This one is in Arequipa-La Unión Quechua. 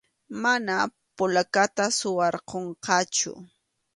Mana polacata suwarqunqachu.